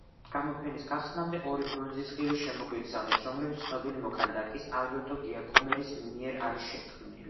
გამოფენის გახსნამდე, ორი ბრონზის ღილი გამოგვიგზავნეს, რომლებიც ცნობილი მოქანდაკის, ალბერტო გიაკომეტის მიერ არის შექმნილი.